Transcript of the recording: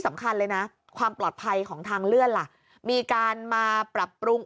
สำคัญเลยนะความปลอดภัยของทางเลื่อนล่ะมีการมาปรับปรุง